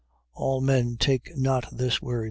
All men take not this word. ..